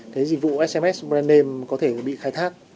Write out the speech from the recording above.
cái dịch vụ sms brand name có thể bị khai thác